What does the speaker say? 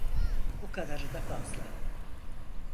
Bu kadarı da fazla.